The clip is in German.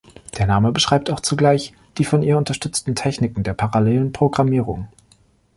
Der Name beschreibt auch zugleich die von ihr unterstützten Techniken der parallelen Programmierung.